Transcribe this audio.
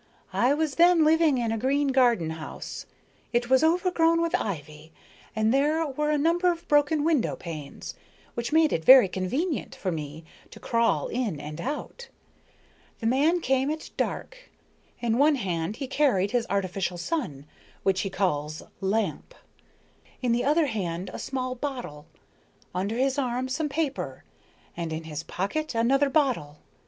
I was then living in a green garden house. It was overgrown with ivy, and there were a number of broken window panes, which made it very convenient for me to crawl in and out. The man came at dark. In one hand he carried his artificial sun, which he calls lamp, in the other hand a small bottle, under his arm some paper, and in his pocket another bottle.